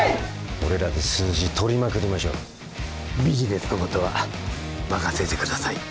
俺らで数字取りまくりましょうビジネスのことは任せてください